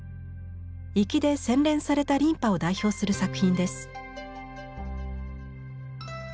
粋で洗練された琳派を代表する作品です。